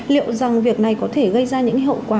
liệu rằng việc này có thể gây ra những hậu quả